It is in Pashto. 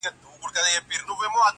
لکه وروڼه په قسمت به شریکان یو.!